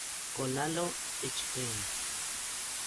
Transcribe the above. Con Lalo Schifrin